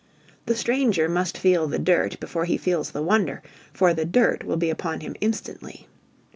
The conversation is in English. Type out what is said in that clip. The stranger must feel the dirt before he feels the wonder, for the dirt will be upon him instantly.